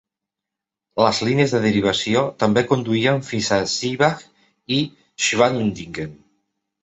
Les línies de derivació també conduïen fins a Seebach i Schwamendingen.